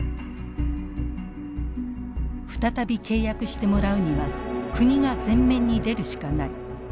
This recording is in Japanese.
再び契約してもらうには国が前面に出るしかない。